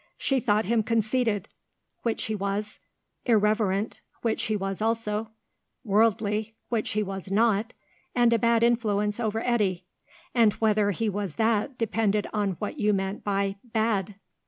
She thought him conceited (which he was), irreverent (which he was also), worldly (which he was not), and a bad influence over Eddy (and whether he was that depended on what you meant by "bad").